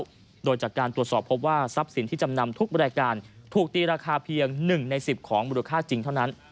โดยจากการตรวจสอบพบว่าทรัพย์สินที่จำนำทุกบริการถูกตีราคาเพียง๑ใน๑๐ของมูลค่าจริงเท่านั้น